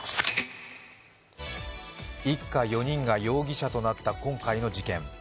一家４人が容疑者となった今回の事件。